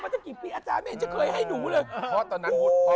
ทำไมอะ